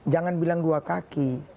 jangan bilang dua kaki